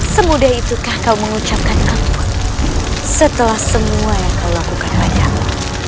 semudah itukah kau mengucapkan aku setelah semua yang kau lakukan hanya